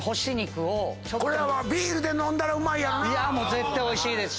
絶対おいしいですし。